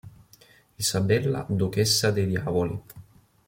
Isabella duchessa dei diavoli